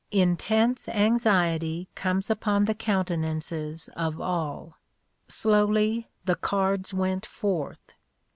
Intense anxiety comes upon the countenances of all. Slowly the cards went forth.